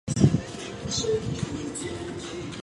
及后因为升中试成绩优良而考上庇理罗士女子中学。